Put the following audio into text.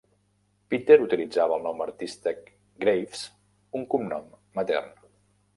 Peter utilitzava el nom artístic "Graves", un cognom matern.